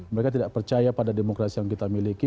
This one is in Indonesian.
mereka tidak percaya pada demokrasi yang kita miliki